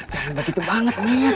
jangan begitu banget neng